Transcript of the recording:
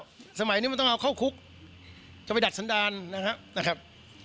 สมัยนี้มันต้องเอาเข้าคุกจะไปดัดสันดาลนะครับ